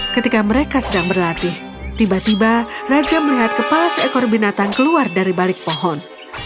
ketika mereka sedang berlatih tiba tiba raja melihat kepala seekor binatang keluar dari balik pohon